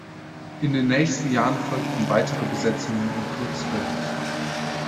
In den nächsten Jahren folgten weitere Besetzungen in Kurzfilmen.